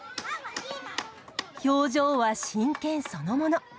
表情は真剣そのもの。